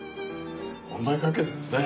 問題解決ですね。